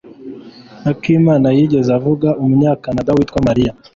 akimana yigeze avuga umunyakanada witwa Mariya?